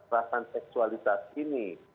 rasa seksualitas ini